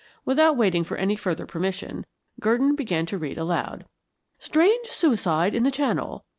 Without waiting for any further permission, Gurdon began to read aloud: "STRANGE SUICIDE IN THE CHANNEL.